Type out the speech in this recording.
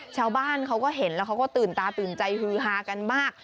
ชาวบ้านเขาก็เห็นแล้วเขาก็ตื่นตาตื่นใจฮือฮากันมาก